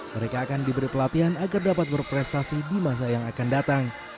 mereka akan diberi pelatihan agar dapat berprestasi di masa yang akan datang